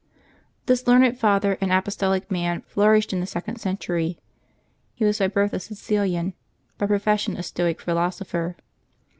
J^nHIS learned father and apostolic man flourished in the ^^ second century. He was by birth a Sicilian, by pro fession a Stoic philosopher.